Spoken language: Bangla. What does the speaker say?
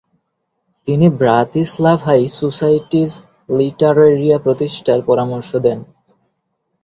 তিনি ব্রাতিস্লাভায় সোসাইটিস লিটারেরিয়া প্রতিষ্ঠার পরামর্শ দেন।